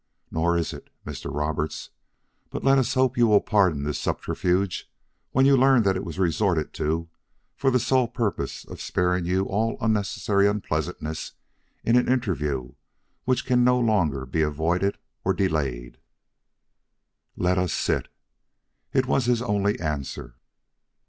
Nor is it, Mr. Roberts. But let us hope you will pardon this subterfuge when you learn that it was resorted to for the sole purpose of sparing you all unnecessary unpleasantness in an interview which can no longer be avoided or delayed." "Let us sit." It was his only answer.